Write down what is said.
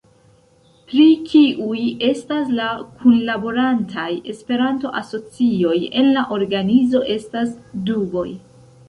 Pri kiuj estas la kunlaborantaj Esperanto-asocioj en la organizo estas duboj.